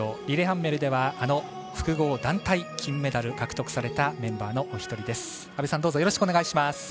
リレハンメルでは複合団体、金メダルを獲得されたメンバーのお一人です。